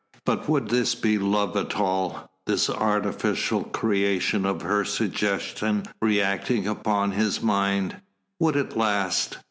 But would this be love at all, this artificial creation of her suggestion reacting upon his mind? Would it last?